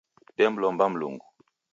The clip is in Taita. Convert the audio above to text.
Demlomba Mlungu